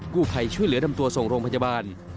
ผู้ภัยช่วยเหลือนำตัวส่งโรงพยาบาล